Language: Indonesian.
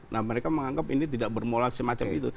nah mereka menganggap ini tidak bermola semacam itu